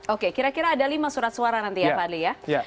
oke kira kira ada lima surat suara nanti ya fadli ya